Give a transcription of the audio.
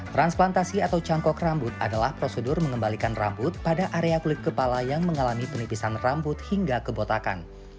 transplantasi atau cangkok rambut adalah prosedur mengembalikan rambut pada area kulit kepala yang mengalami penipisan rambut hingga kebotakan